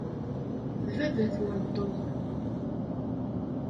D baba-twen Tom.